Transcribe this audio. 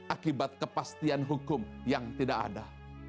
akibat kepastian hukum yang tidak ada